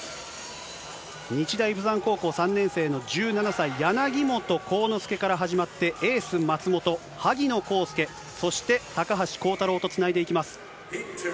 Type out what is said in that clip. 日大ぶざん高校３年生の１７歳、柳本幸之介から始まって、エース、松元、萩野公介、そして高橋航太郎とつないでいきます。